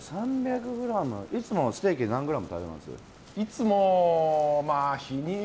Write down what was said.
いつもステーキ何グラム食べます？